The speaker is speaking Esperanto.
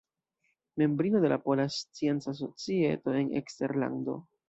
Membrino de Pola Scienca Societo en Eksterlando.